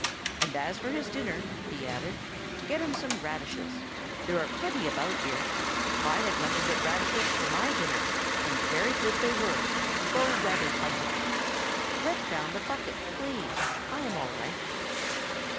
And as for his dinner," he added, "get him some radishes. There are plenty about here. I had nothing but radishes for my dinner, and very good they were, though rather biting. Let down the bucket, please! I am all right."